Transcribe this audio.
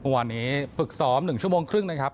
วันนี้ฝึกซ้อม๑ชั่วโมงครึ่งนะครับ